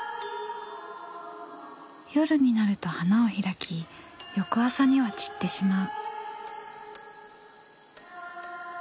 夜になると花を開き翌朝には散ってしまう。